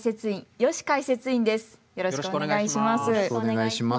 よろしくお願いします。